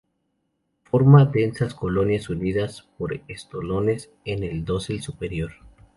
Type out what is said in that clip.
Forma densas colonias unidas por estolones en el dosel superior.